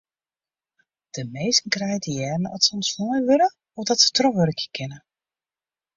De minsken krije te hearren oft se ûntslein wurde of dat se trochwurkje kinne.